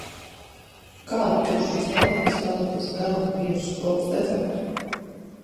Kādu tušu izvēlēties vēloties garu un biezu skropstu efektu?